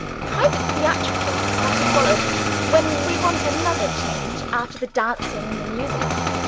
Private theatricals are to follow, when we want another change after the dancing and the music.